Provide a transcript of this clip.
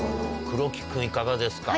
黒木君いかがですか？